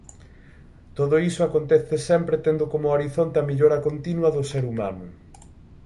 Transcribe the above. Todo iso acontece sempre tendo como horizonte a mellora continua do ser humano.